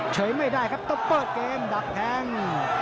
เฉยไม่ได้ครับต้องเปิดเกมดักแทง